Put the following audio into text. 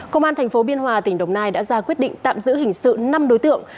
công an tp biên hòa tỉnh đồng nai đã ra quyết định tạm giữ hình sự năm đối tượng